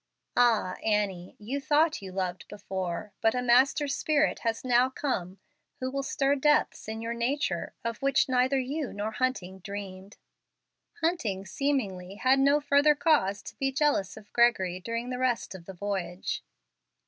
Ah, Annie! you thought you loved before, but a master spirit has now come who will stir depths in your nature of which neither you nor Hunting dreamed. Hunting, seemingly, had no further cause to be jealous of Gregory during the rest of the voyage.